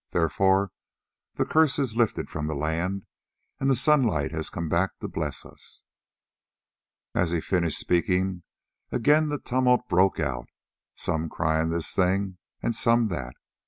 Therefore the curse is lifted from the land and the sunlight has come back to bless us." As he finished speaking, again the tumult broke out, some crying this thing and some that.